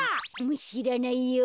しらないよ。